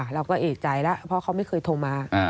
เราก็เอกใจแล้วเพราะเขาไม่เคยโทรมา